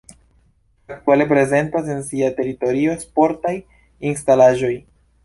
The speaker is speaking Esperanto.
Aktuale prezentas en sia teritorio sportaj instalaĵoj.